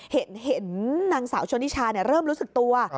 เห็นนางสาวชนนิชาเริ่มรู้สึกตัว